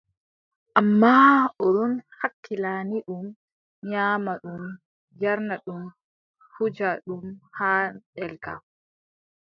Ammaa o ɗon hakkilani ɗum, nyaamna ɗum, yarna ɗum, wuja ɗum haa ɗelka.